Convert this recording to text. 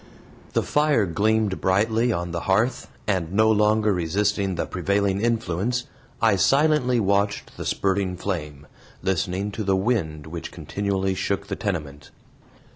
The fire gleamed brightly on the hearth, and, no longer resisting the prevailing influence, I silently watched the spurting flame, listening to the wind which continually shook the tenement.